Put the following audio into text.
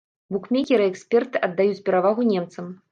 Букмекеры і эксперты аддаюць перавагу немцам.